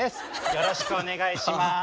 よろしくお願いします。